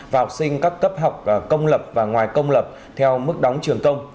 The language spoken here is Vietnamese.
và học sinh các cấp học công lập và ngoài công lập theo mức đóng trường công